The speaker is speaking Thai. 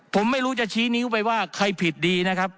ผมไม่รู้จะชี้นิ้วไปว่าใครผิดดีนะครับ